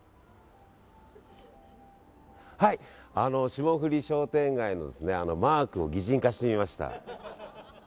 霜降商店街のマークを擬人化してみました。